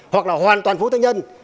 hoặc là hoàn toàn vốn tư nhân